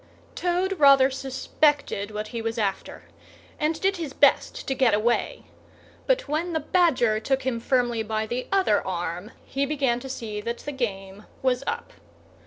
Toad rather suspected what he was after, and did his best to get away; but when the Badger took him firmly by the other arm he began to see that the game was up.